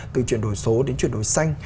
từ chuyển đổi số đến chuyển đổi xanh